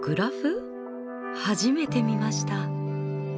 初めて見ました！